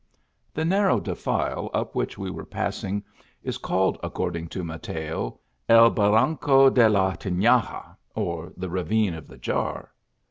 The narrow delile up which we were passing is railed, according to Mateo, el Barranco de la Ti ia;a, or the ravine of the jar.